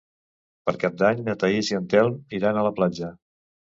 Per Cap d'Any na Thaís i en Telm iran a la platja.